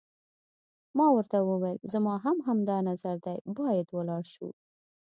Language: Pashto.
ما ورته وویل: زما هم همدا نظر دی، باید ولاړ شو.